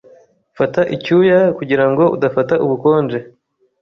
Fata icyuya kugirango udafata ubukonje.